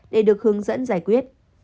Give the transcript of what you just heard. để được hướng dẫn giải quyết